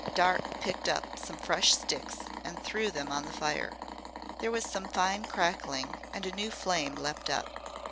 Dart picked up some fresh sticks and threw them on the fire. There was some fine crackling and a new flame leaped up.